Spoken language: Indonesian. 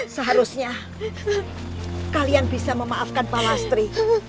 seharusnya kalian bisa memaafkan pak lastri